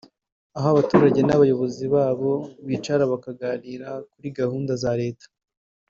aho abaturage n’abayobozi babo bicara bakaganira kuri gahunda za Leta